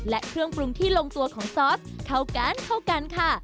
และเครื่องปรุงที่ลงตัวของซอสเข้ากันเข้ากันค่ะ